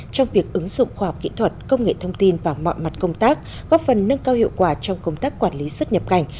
trong việc ứng dụng khoa học kỹ thuật công nghệ thông tin vào mọi mặt công tác góp phần nâng cao hiệu quả trong công tác quản lý xuất nhập cảnh